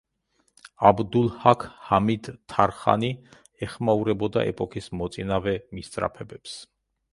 აბდულჰაქ ჰამიდ თარჰანი ეხმაურებოდა ეპოქის მოწინავე მისწრაფებებს.